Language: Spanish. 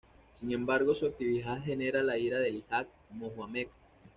Sin embargo, su actividad genera la ira de Elijah Muhammad.